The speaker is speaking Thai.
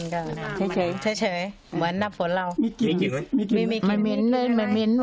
รสชาติมัน